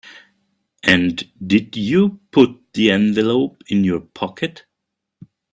And did you put the envelope in your pocket?